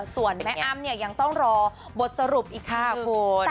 ส่วนแม่อ้ำยังต้องรอบทสรุปอีกมากครนะครับครับครับ